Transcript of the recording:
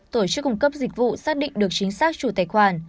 tổ chức cung cấp dịch vụ xác định được chính xác chủ tài khoản